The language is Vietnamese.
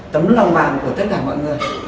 tấm lòng vàng của tất cả mọi người